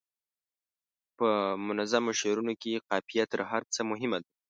په منظومو شعرونو کې قافیه تر هر څه مهمه ده.